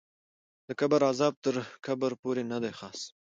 د قبر غذاب تر قبر پورې ندی خاص